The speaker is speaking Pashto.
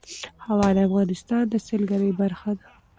هوا د افغانستان د سیلګرۍ برخه ده.